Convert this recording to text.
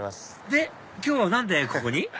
で今日は何でここに？